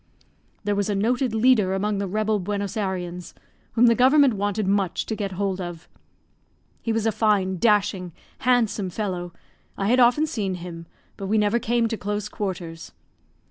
"There was a noted leader among the rebel Buenos Ayreans, whom the government wanted much to get hold of. He was a fine, dashing, handsome fellow; I had often seen him, but we never came to close quarters.